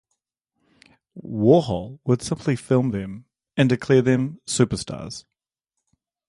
Warhol would simply film them, and declare them "superstars".